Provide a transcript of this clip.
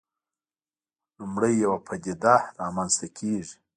لومړی یوه پدیده رامنځته کېږي.